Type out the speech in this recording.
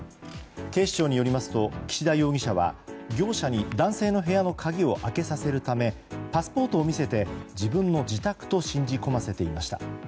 警視庁によりますと岸田容疑者は業者に男性の部屋の鍵を開けさせるためパスポートを見せて自分の自宅と信じ込ませていました。